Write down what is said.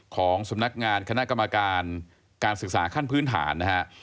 ของสำนักงานคณะกรรมการการศึกษาขั้นพื้นฐานนะฮะ